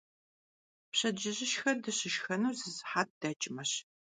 Pşedcıjışşxe dışışşxenur zı sıhet deç'meş.